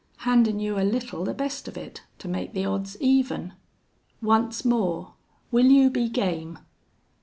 Handin' you a little the best of it to make the odds even!... Once more, will you be game?"